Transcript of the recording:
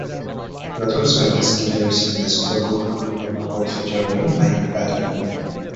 He was also the bass guitarist in the supergroup Tomahawk featuring Mike Patton.